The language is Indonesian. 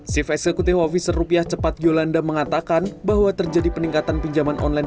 sif s kutehwavi serupiah cepat yolanda mengatakan bahwa terjadi peningkatan pinjaman online